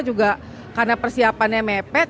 juga karena persiapannya mepet